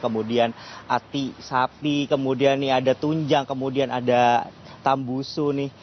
kemudian ati sapi kemudian nih ada tunjang kemudian ada tambusu nih